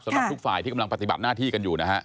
สำหรับทุกฝ่ายที่กำลังปฏิบัติหน้าที่กันอยู่นะฮะ